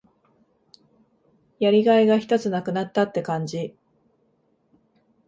やりがいがひとつ無くなったって感じ。